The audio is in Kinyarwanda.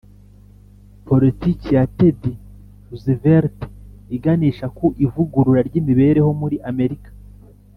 politiki ya teddy roosevelt iganisha ku ivugurura ry’imibereho muri amerika